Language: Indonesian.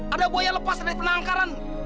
ada buaya lepas dari penangkaran